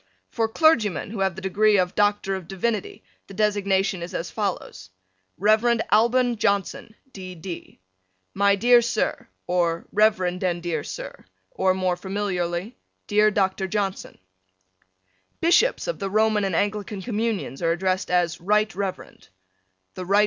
For clergymen who have the degree of Doctor of Divinity, the designation is as follows: Rev. Alban Johnson, D. D. My dear Sir: or Rev. and dear Sir: or more familiarly Dear Dr. Johnson: Bishops of the Roman and Anglican Communions are addressed as Right Reverend. The Rt.